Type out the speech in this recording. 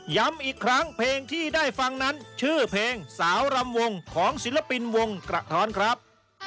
ย้ำอีกครั้งเพลงที่ได้ฟังนั้นชื่อเพลงสาวรำวงของศิลปินวงกระท้อนครับ